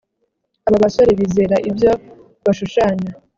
aba basore bizera ibyo bashushanya,